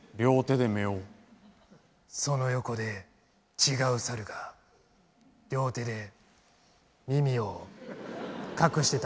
その横で違う猿が両手で耳を隠してたんです。